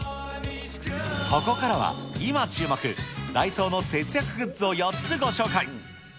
ここからは、今注目、ダイソーの節約グッズを４つご紹介。